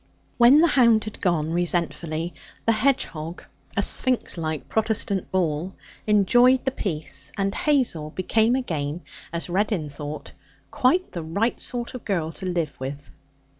When the hound had gone, resentfully, the hedgehog a sphinx like, protestant ball enjoyed the peace, and Hazel became again (as Reddin thought) quite the right sort of girl to live with.